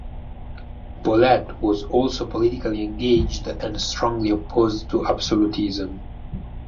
Bolette was also politically engaged and strongly opposed to absolutism.